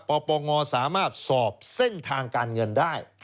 ปปงสามารถสอบเส้นทางการเงินได้